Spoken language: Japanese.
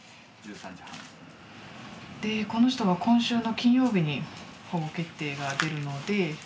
でこの人は今週の金曜日に保護決定が出るので。